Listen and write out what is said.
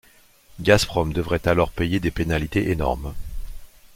Gazprom devrait alors payer des pénalités énormes.